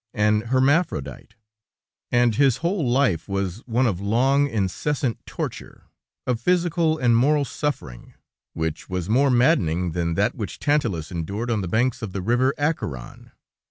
an hermaphrodite. And his whole life was one of long, incessant torture, of physical and moral suffering, which was more maddening than that which Tantalus endured on the banks of the river Acheron.